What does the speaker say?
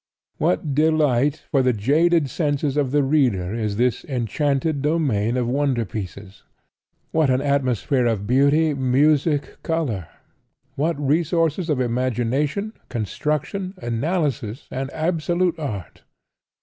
What delight for the jaded senses of the reader is this enchanted domain of wonder pieces! What an atmosphere of beauty, music, color! What resources of imagination, construction, analysis and absolute art!